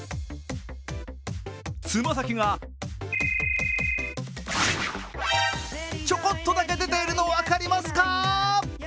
爪先がちょこっとだけ出ているの分かりますか？